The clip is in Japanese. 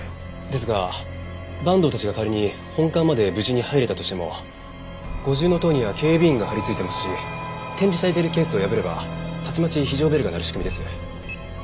ですが坂東たちが仮に本館まで無事に入れたとしても五重塔には警備員が張りついていますし展示されているケースを破ればたちまち非常ベルが鳴る仕組みです。